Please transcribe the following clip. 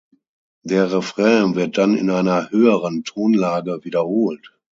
Der Refrain wird dann in einer höheren Tonlage wiederholt.